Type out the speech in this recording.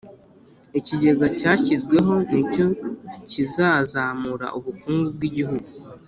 Ikigega cyashyizweho nicyo kizazamura ubukungu bw’igihugu